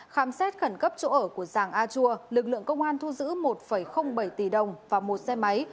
khám xét khẩn cấp chỗ ở của giàng a chua lực lượng công an thu giữ một bảy tỷ đồng và một xe máy